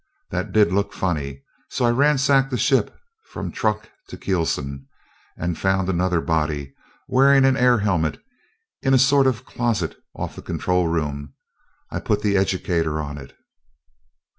That did look funny, so I ransacked the ship from truck to keelson, and finally found another body, wearing an air helmet, in a sort of closet off the control room. I put the educator on it...."